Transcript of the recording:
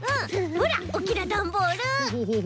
ほらおっきなだんボール。